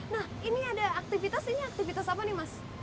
nah ini ada aktivitas ini aktivitas apa nih mas